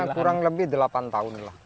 kurang lebih delapan tahun